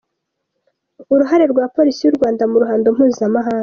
Uruhare rwa Polisi y’u Rwanda mu ruhando mpuzamahanga.